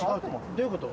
どういうこと？